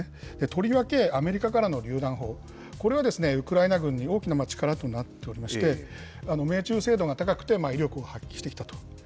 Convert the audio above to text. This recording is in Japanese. とりわけ、アメリカからのりゅう弾砲、これはウクライナ軍に大きな力となっておりまして、命中精度が高くて威力を発揮してきたと。